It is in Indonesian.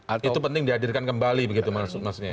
itu penting dihadirkan kembali begitu maksudnya ya